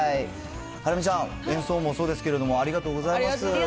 ハラミちゃん、演奏もそうですけありがとうございます。